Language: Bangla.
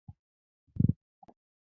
তাকে ওষুধ খাওয়ানো শুরু করা উচিত আমাদের।